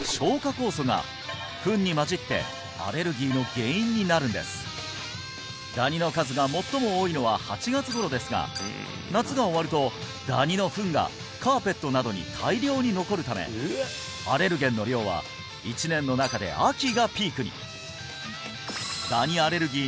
酵素がフンにまじってアレルギーの原因になるんですダニの数が最も多いのは８月頃ですが夏が終わるとダニのフンがカーペットなどに大量に残るためアレルゲンの量は１年の中で秋がピークに！